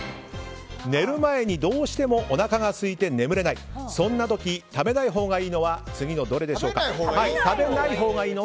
寝る前にどうしてもおなかがすいて眠れないそんな時、食べないほうがいいのは次のうちどれでしょうか。